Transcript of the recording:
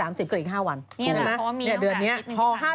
นี่แหละเพราะว่ามีโอกาสอาทิตย์